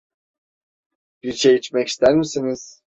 Bir şey içmek ister misiniz?